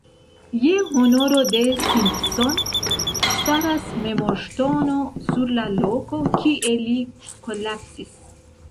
Je honoro de Simpson, staras memorŝtono sur la loko, kie li kolapsis.